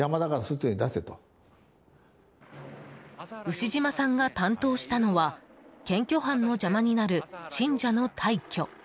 牛島さんが担当したのは検挙班の邪魔になる信者の退去。